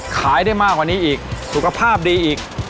ขายได้มากกว่านี้อีกสุขภาพดีอีก